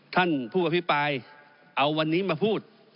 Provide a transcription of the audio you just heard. ท่านผู้อภิปรายเอาวันนี้มาพูด